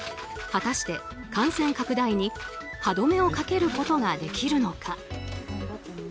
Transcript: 果たして、感染拡大に歯止めをかけることができるのか。